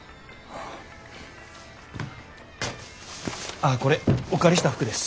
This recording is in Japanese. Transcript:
ああこれお借りした服です。